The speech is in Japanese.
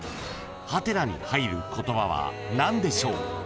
［ハテナに入る言葉は何でしょう？］